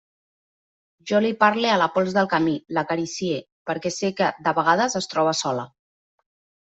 Jo li parle a la pols del camí, l'acaricie, perquè sé que, de vegades, es troba sola.